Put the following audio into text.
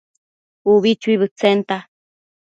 ubi chuibëdtsenta